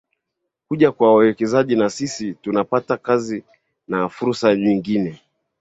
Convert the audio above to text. Kuja kwa wawekezaji na sisi tunapata kazi na fursa nyingine